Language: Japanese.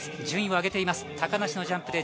順位を上げています。